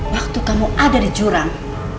waktu kamu ada di jurang